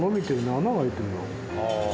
穴が開いてるよ。